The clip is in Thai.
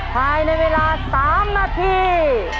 ภายในเวลา๓นาที